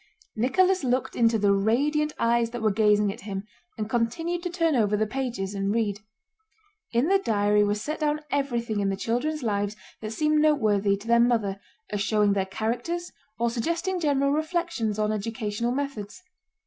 Nicholas looked into the radiant eyes that were gazing at him, and continued to turn over the pages and read. In the diary was set down everything in the children's lives that seemed noteworthy to their mother as showing their characters or suggesting general reflections on educational methods.